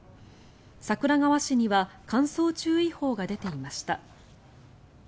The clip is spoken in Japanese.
桜川市には乾燥注意報が出ていました。